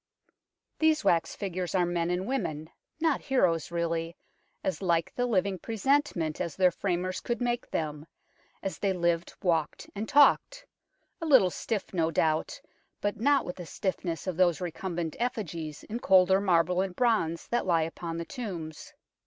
These wax figures are men and women, not heroes really, as like the living presentment as their framers could make them, as they lived, walked and talked ; a little stiff no doubt, but not with the stiffness of those recumbent effigies in colder marble and bronze that lie upon the tombs.